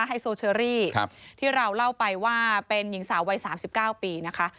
ไฮโซเชอรี่ที่เราเล่าไปว่าเป็นหญิงสาววัย๓๙ปีนะคะ